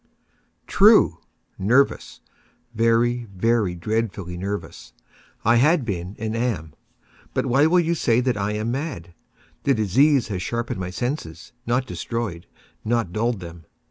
True!—nervous—very, very dreadfully nervous I had been and am; but why will you say that I am mad? The disease had sharpened my senses—not destroyed—not dulled them.